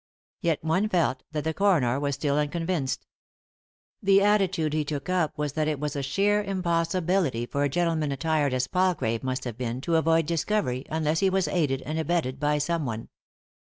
Yet one felt that the coroner was still unconvinced. The attitude he took np was that it was a sheer impossi bility for a gentleman attired as Palgrave must have been to avoid discovery unless he was aided and abetted by someone.